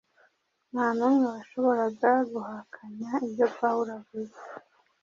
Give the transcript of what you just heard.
Nta n’umwe washoboraga guhakanya ibyo Pawulo avuze